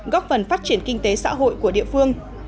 góp phần phát triển kinh tế xã hội của địa phương